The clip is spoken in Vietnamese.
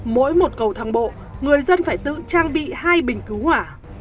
mỗi một cầu thang bộ người dân phải tự trang bị hai bình cứu hỏa